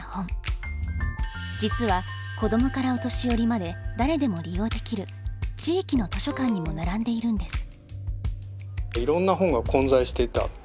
実は子供からお年寄りまで誰でも利用できる「地域の図書館」にも並んでいるんです。